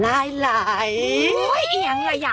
ฮ่าฮ่าฮ่า